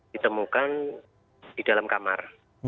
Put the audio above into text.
ditemukan di dalam kamar